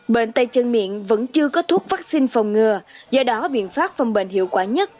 bệnh tay chân miệng vẫn chưa có thuốc vaccine phòng ngừa do đó biện pháp phòng bệnh hiệu quả nhất